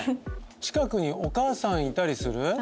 近くにお母さんいたりする？